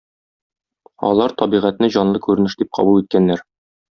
Алар табигатьне җанлы күренеш дип кабул иткәннәр.